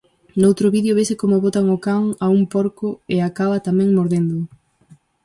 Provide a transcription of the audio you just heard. Noutro vídeo vese como botan o can a un porco e acaba tamén mordéndoo.